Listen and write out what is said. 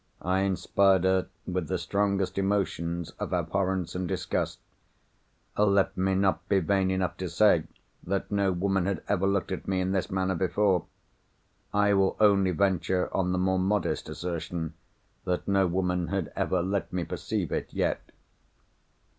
I inspired her with the strongest emotions of abhorrence and disgust. Let me not be vain enough to say that no woman had ever looked at me in this manner before. I will only venture on the more modest assertion that no woman had ever let me perceive it yet.